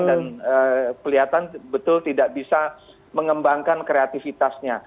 dan kelihatan betul tidak bisa mengembangkan kreativitasnya